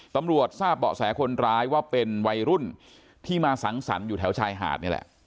ตำรวจทราบเบาะแสคนร้ายว่าเป็นวัยรุ่นที่มาสังสรรค์อยู่แถวชายหาดนี่แหละ